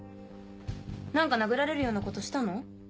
何か殴られるようなことしたの？